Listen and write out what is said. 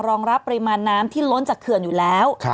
รองรับปริมาณน้ำที่ล้นจากเขื่อนอยู่แล้ว